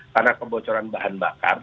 karena kebocoran bahan bakar